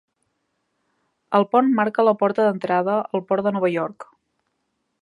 El pont marca la porta d'entrada al port de Nova York.